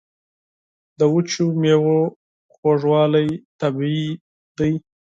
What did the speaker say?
د وچو میوو خوږوالی طبیعي دی.